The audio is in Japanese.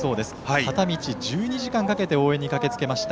片道１２時間かけて応援に駆けつけました。